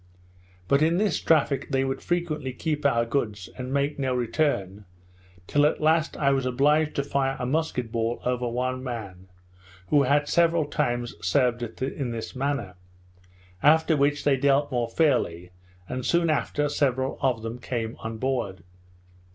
But in this traffic they would frequently keep our goods, and make no return, till at last I was obliged to fire a musket ball over one man who had several times served us in this manner; after which they dealt more fairly; and soon after several of them came on board.